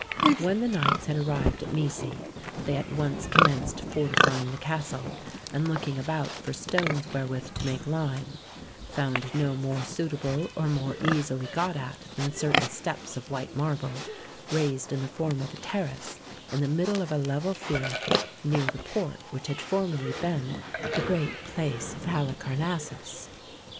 When the knights had arrived at Mecy they at once commenced fortifying the castle, and, looking about for stones wherewith to make lime, found no more suitable or more easily got at than certain steps of white marble, raised in the form of a terrace in the middle of a level field near the port which had formerly been the Great Place of Halicarnassus.